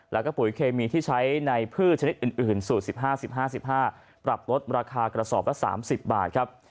แล้วก็ปุ๋ยเคมีที่ใช้ในพืชชนิดอื่นสูตร๑๕๑๕๑๕๑๕ปรับลดราคากระสอบละ๓๐บาทครับ